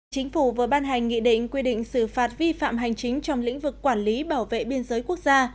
chính phủ vừa ban hành nghị định quy định xử phạt vi phạm hành chính trong lĩnh vực quản lý bảo vệ biên giới quốc gia